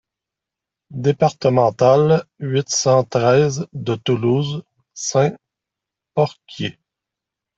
Départementale huit cent treize de Toulouse, Saint-Porquier